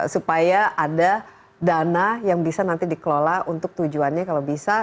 supaya ada dana yang bisa nanti dikelola untuk tujuannya kalau bisa